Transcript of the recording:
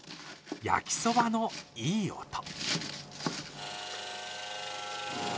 焼きそばのいい音。